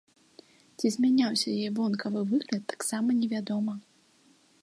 Ці змяняўся яе вонкавы выгляд, таксама невядома.